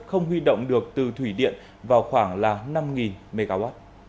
không huy động được từ thủy điện vào khoảng là năm mw